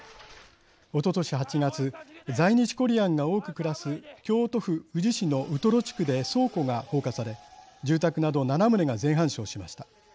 おととし８月在日コリアンが多く暮らす京都府宇治市のウトロ地区で倉庫が放火され住宅など７棟が全半焼しました。